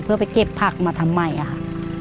เพื่อไปเก็บผักมาทำไมอะค่ะ